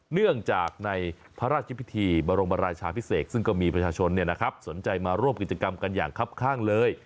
เนื่องจากในพระราชพิธีบรมราชาพิเศษซึ่งก็มีประชาชนสนใจมาร่วมกิจกรรมกันอย่างครับข้างเลย